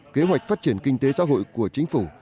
kế hoạch phát triển kinh tế xã hội của chính phủ